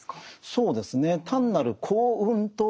そうですね。